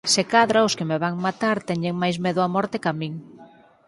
Se cadra os que me van matar teñen máis medo á morte ca min.